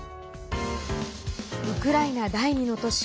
ウクライナ第２の都市